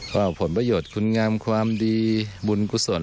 ก็ผลประโยชน์คุณงามความดีบุญกุศล